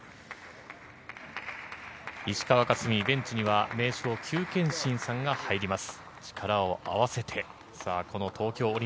石川佳純、ベンチには名将、邱建新さんが入ります。